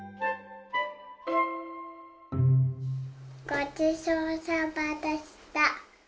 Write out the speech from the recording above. ごちそうさまでした。